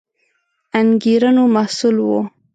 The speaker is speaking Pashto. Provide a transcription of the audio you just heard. انګېرنو محصول وو